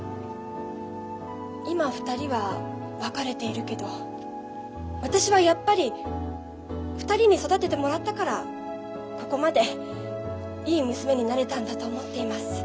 今２人は別れているけど私はやっぱり２人に育ててもらったからここまでいい娘になれたんだと思っています。